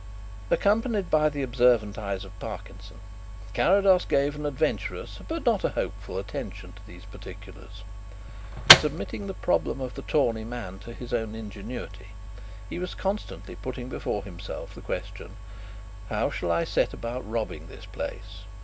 Accompanied by the observant eyes of Parkinson, Carrados gave an adventurous but not a hopeful attention to these particulars. Submitting the problem of the tawny man to his own ingenuity, he was constantly putting before himself the question: How shall I set about robbing this place?